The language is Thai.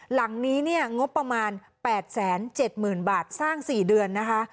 หลังนี้เนี่ยงบประมาณแปดแสนเจ็ดหมื่นบาทสร้างสี่เดือนนะคะ